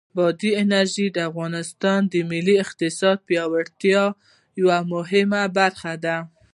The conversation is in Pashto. بادي انرژي د افغانستان د ملي اقتصاد د پیاوړتیا یوه مهمه برخه ده.